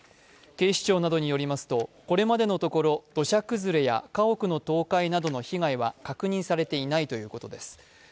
警視庁などによりますとこれまでのところ土砂崩れや家屋の倒壊などの被害は確認されていないということです。